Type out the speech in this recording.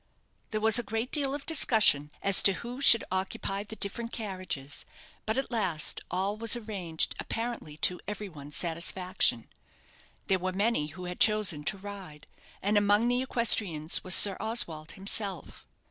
There was a great deal of discussion as to who should occupy the different carriages; but at last all was arranged apparently to every one's satisfaction. There were many who had chosen to ride; and among the equestrians was Sir Oswald himself.